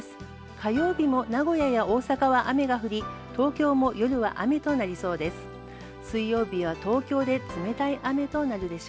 火曜日も名古屋や大阪は雨が降り東京も夜は雨となりそうです。